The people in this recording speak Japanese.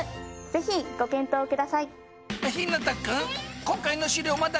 ぜひご検討ください。